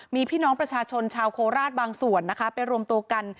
มีพี่น้องประชาชนชาวโคราชบางส่วนนะคะไปรวมตัวกัน